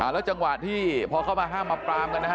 แล้วจังหวะที่พอเข้ามาห้ามมาปรามกันนะฮะ